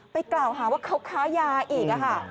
กล่าวหาว่าเขาค้ายาอีก